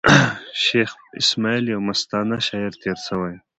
شېخ اسماعیل یو مستانه شاعر تېر سوﺉ دﺉ.